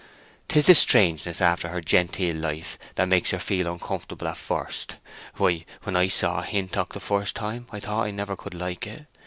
'Tis the strangeness after her genteel life that makes her feel uncomfortable at first. Why, when I saw Hintock the first time I thought I never could like it.